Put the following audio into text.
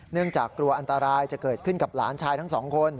จากกลัวอันตรายจะเกิดขึ้นกับหลานชายทั้งสองคน